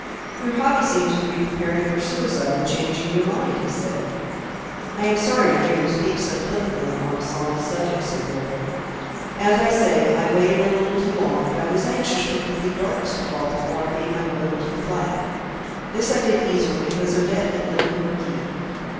"You hobby seems to be preparing for suicide and changing your mind," he said. "I am sorry to hear you speak so flippantly on a solemn subject," said Milburgh. "As I say, I waited a little too long; but I was anxious for complete darkness to fall before I made my way into the flat. This I did easily because Odette had lent me her key.